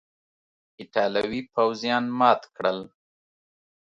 ایټالوي پوځیان مات کړل.